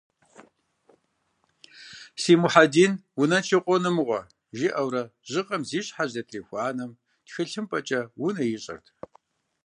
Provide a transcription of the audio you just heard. «Си Мухьэдин унэншэу къонэ мыгъуэ», жиӏэурэ жьыгъэм зи щхьэ зэтрихуа анэм тхылъымпӏэкӏэ унэ ищӏырт.